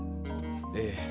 ええ。